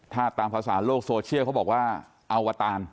ถ้าตามภาษาโลกโซเชียลเขาบอกว่าอวตาร